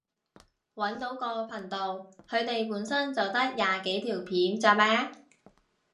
搵到個頻道，佢哋本身就得廿幾條片咋咩？